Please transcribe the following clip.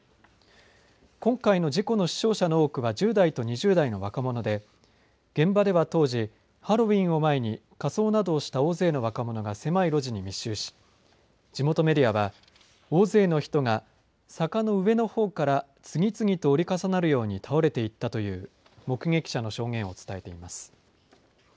今回の事故の死傷者の多くは１０代と２０代の若者で現場では当時ハロウィーンを前に仮装などをした大勢の若者が狭い路地に密集し地元メディアは大勢の人が坂の上ほうから次々と折り重なるように倒れていったという目撃者の証言を伝えています。